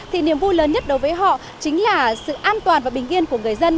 thì niềm vui lớn nhất đối với họ chính là sự an toàn và bình yên của người dân